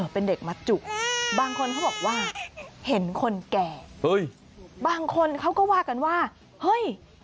เป็นเด็กมาจุบางคนเขาบอกว่าเห็นคนแก่เฮ้ยบางคนเขาก็ว่ากันว่าเฮ้ย